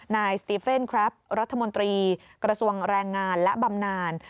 นายสติเฟนครับรัฐมนตรีกระทรวงแรงงานและบำนาน